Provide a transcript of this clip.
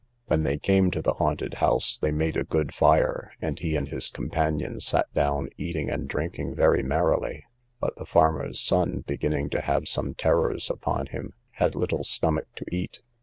When they came to the haunted house, they made a good fire, and he and his companion sat down, eating and drinking very merrily; but the farmer's son, beginning to have some terrors upon him, had little stomach to eat.